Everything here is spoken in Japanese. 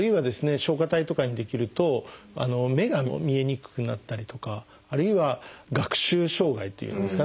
松果体とかに出来ると目が見えにくくなったりとかあるいは学習障害というんですかね